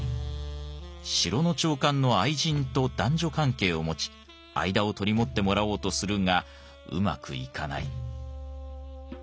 城の長官の愛人と男女関係を持ち間を取り持ってもらおうとするがうまくいかない。